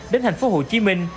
đến thành phố hồ chí minh